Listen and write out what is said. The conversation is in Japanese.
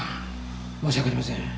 申し訳ありません。